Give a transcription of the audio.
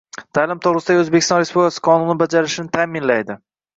«Ta’lim to`g`risida»gi O`zbekiston Respublikasi Qonuni bajarilishini ta'minlaydi.